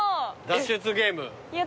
脱出ゲーム。